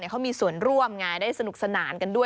เขามีส่วนร่วมไงได้สนุกสนานกันด้วย